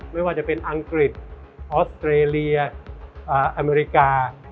ไม่ว่าจะเป็นอังกฤษออสเตรเลียอเมริกา